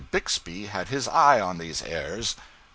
Bixby had his eye on these airs.